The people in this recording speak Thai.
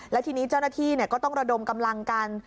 และทีนี้เจ้าหน้าที่ก็ต้องระดมกำลังกัน